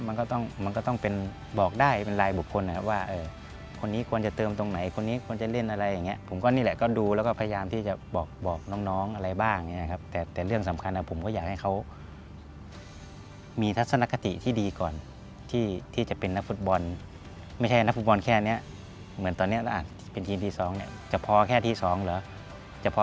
มันก็ต้องมันก็ต้องเป็นบอกได้เป็นรายบุคคลนะครับว่าคนนี้ควรจะเติมตรงไหนคนนี้ควรจะเล่นอะไรอย่างเงี้ยผมก็นี่แหละก็ดูแล้วก็พยายามที่จะบอกน้องอะไรบ้างอย่างนี้ครับแต่เรื่องสำคัญผมก็อยากให้เขามีทัศนคติที่ดีก่อนที่จะเป็นนักฟุตบอลไม่ใช่นักฟุตบอลแค่นี้เหมือนตอนนี้เป็นทีมที่สองเนี่ยจะพอแค่ที่สองเหรอ